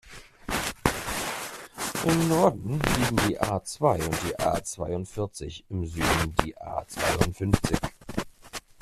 Im Norden liegen die A-zwei und die A-zweiundvierzig, im Süden die A-zweiundfünfzig.